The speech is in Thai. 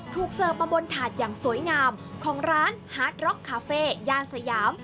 ถูกเซิร์ฟมาบนถาดอย่างสวยงามของร้านคาเฟ่ยานสยาม